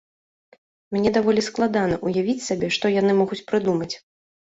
Мне даволі складана ўявіць сабе, што яны могуць прыдумаць.